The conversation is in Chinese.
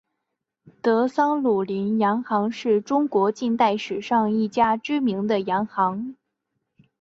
德商鲁麟洋行是中国近代史上一家知名的洋行。